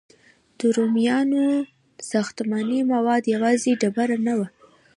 د رومیانو ساختماني مواد یوازې ډبره نه وه.